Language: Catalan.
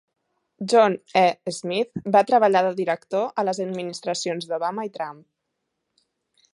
John E. Smith va treballar de director a les administracions d'Obama i Trump.